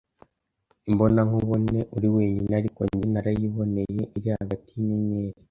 imbona nkubone uri wenyine ariko njye narayiboneye iri hagati y’inyenyeri,